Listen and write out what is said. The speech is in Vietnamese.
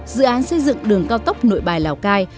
dự án xây dựng đường cao tốc nội bài lào cai